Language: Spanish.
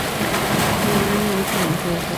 Pero a Iván le gusta demasiado el juego.